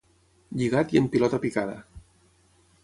Lligat i en pilota picada.